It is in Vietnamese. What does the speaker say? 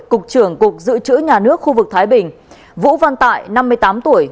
cục trưởng cục dự trữ nhà nước khu vực thái bình vũ văn tại năm mươi tám tuổi